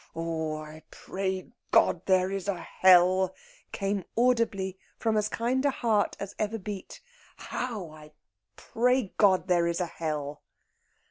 "Oh, I pray God there is a hell," came audibly from as kind a heart as ever beat. "How I pray God there is a hell!"